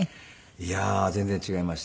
いやー全然違いました。